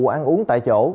ăn uống tại chỗ